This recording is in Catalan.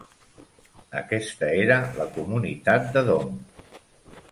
Aquesta era la comunitat de Dome.